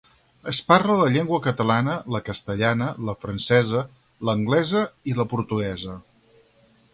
Es parla la llengua catalana, la castellana, la francesa, l'anglesa i la portuguesa.